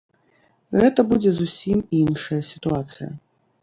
Гэта будзе зусім іншая сітуацыя.